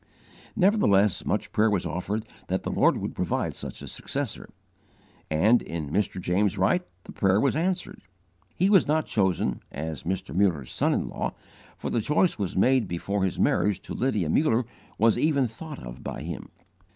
Nevertheless much prayer was offered that the Lord would provide such a successor, and, in Mr. James Wright, the prayer was answered. He was not chosen, as Mr. Muller's son in law, for the choice was made before his marriage to Lydia Muller was even thought of by him.